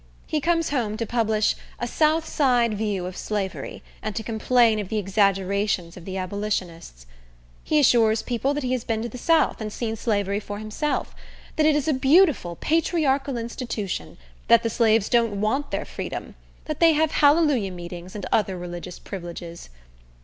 He comes home to publish a "South Side View of Slavery," and to complain of the exaggerations of abolitionists. He assures people that he has been to the south, and seen slavery for himself; that it is a beautiful "patriarchal institution;" that the slaves don't want their freedom; that they have hallelujah meetings and other religious privileges.